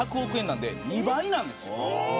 なんで２倍なんです。